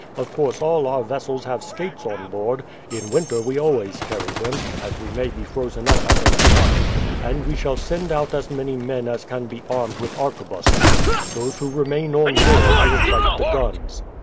"Of course all our vessels have skates on board; in winter we always carry them, as we may be frozen up at any time. And we shall send out as many men as can be armed with arquebuses; those who remain on board will fight the guns."